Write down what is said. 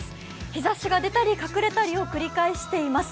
日ざしが出たり隠れたりを繰り返しています。